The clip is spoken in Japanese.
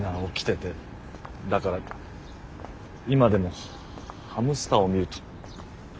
だから今でもハムスターを見ると。